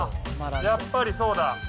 やっぱりそうだ。